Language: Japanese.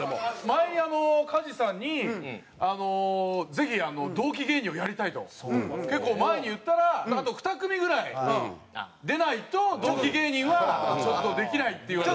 前あの加地さんに「ぜひ同期芸人をやりたい」と結構前に言ったら「あと２組ぐらい出ないと同期芸人はちょっとできない」って言われて。